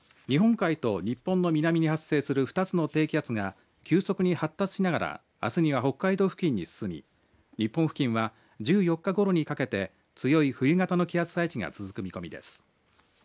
日本海と日本の南に発生する２つの低気圧が急速に発達しながらあすには北海道付近に進み日本付近は１４日ごろにかけて強い冬型の気圧配置が続く見込みです。